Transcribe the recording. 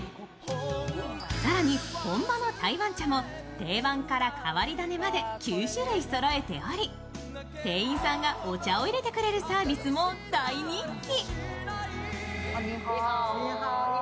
更に、本場の台湾茶も定番から変わり種まで９種類そろえており店員さんがお茶を入れてくれるサービスも大人気。